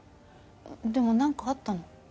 でもなんかあったの？